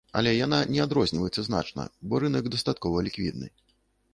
Але яна не адрозніваецца значна, бо рынак дастаткова ліквідны.